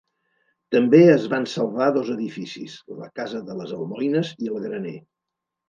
També es van salvar dos edificis: la casa de les almoines i el graner.